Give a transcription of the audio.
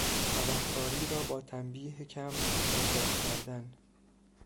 تبهکاری را با تنبیه کم آزاد کردن